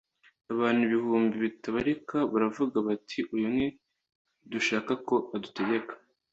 Abantu ibihumbi bitabarika baravuga bati Uyu ntidushaka ko adutegeka